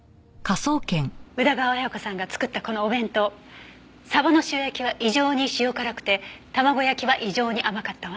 宇田川綾子さんが作ったこのお弁当鯖の塩焼きは異常に塩辛くて卵焼きは異常に甘かったわ。